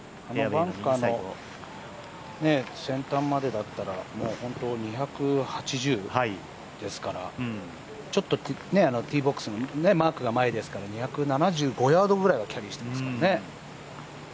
バンカーの先端までだったら、本当２８０ですから、ちょっとティーボックスのマークが前ですから２７５ヤードくらいはキャリーしていますからね。